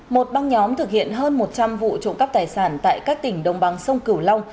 một băng nhóm thực hiện hơn một trăm linh vụ trộm cắp tài sản tại các tỉnh đồng bằng sông cửu long